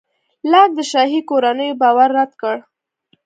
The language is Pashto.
لاک د شاهي کورنیو باور رد کړ.